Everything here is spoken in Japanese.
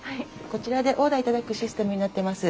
こちらでオーダーいただくシステムになっています。